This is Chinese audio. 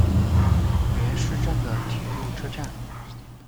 原市站的铁路车站。